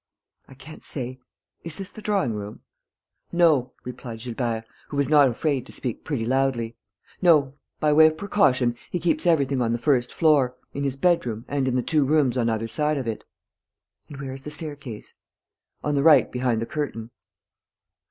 "I can't say.... Is this the drawing room?" "No," replied Gilbert, who was not afraid to speak pretty loudly, "no. By way of precaution, he keeps everything on the first floor, in his bedroom and in the two rooms on either side of it." "And where is the staircase?" "On the right, behind the curtain."